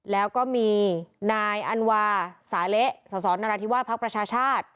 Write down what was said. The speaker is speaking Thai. แล้วก็มีนายอันวาสาเละสสนราธิวาสภักดิ์ประชาชาติ